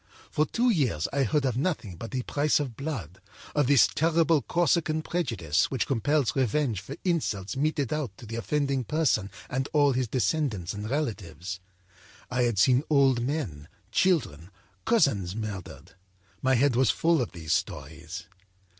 For two years I heard of nothing but the price of blood, of this terrible Corsican prejudice which compels revenge for insults meted out to the offending person and all his descendants and relatives. I had seen old men, children, cousins murdered; my head was full of these stories.